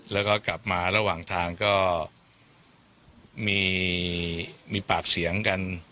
แล้วก็กลับมาระหว่างทางก็มีปากเสียงกัน